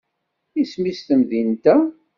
Isem-is temdint-a?